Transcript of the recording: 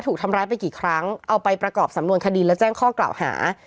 ถูกทำร้ายไปกี่ครั้งเอาไปประกอบสำนวนคดีและแจ้งข้อกล่าวหา